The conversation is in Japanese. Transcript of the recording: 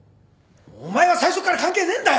お前は最初から関係ねえんだよ！